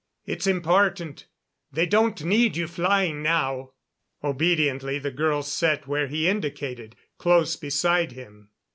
It's important. They don't need you flying now." Obediently the girl sat where he indicated, close beside him.